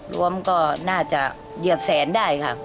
รวมก็น่าจะเหยียบแสนได้ค่ะ